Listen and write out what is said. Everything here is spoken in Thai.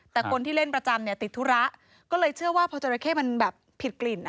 แต่คนที่เล่นประจำเนี่ยติดธุระก็เลยเชื่อว่าพอจราเข้มันแบบผิดกลิ่น